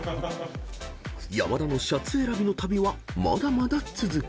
［山田のシャツ選びの旅はまだまだ続く］